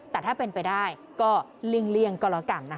แต่ถ้าเป็นไปได้ก็ลึงเรียงกรกันนะ